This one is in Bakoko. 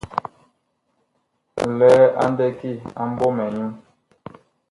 Nlɛɛ a ndɛki a MBƆMƐ nyu.